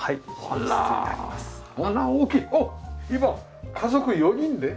あっ今家族４人で？